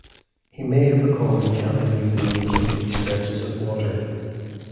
He may have recalled mechanically the names of these stretches of water.